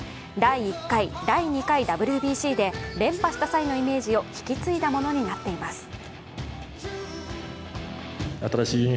第１回、第２回ＷＢＣで連覇した際のイメージを引き継いだものになっています。